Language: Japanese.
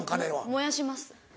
燃やします。